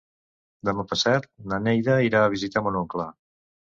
Demà passat na Neida irà a visitar mon oncle.